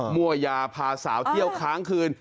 มั่วยาพาสาวเที่ยวค้างคืน